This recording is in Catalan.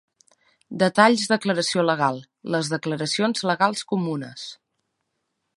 Detalls declaració legal: les declaracions legals comunes.